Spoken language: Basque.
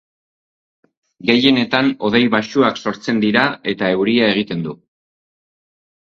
Gehienetan hodei baxuak sortzen dira eta euria egiten du.